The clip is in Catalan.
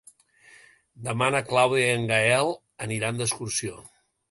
Demà na Clàudia i en Gaël aniran d'excursió.